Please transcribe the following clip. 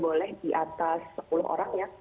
boleh di atas sepuluh orang ya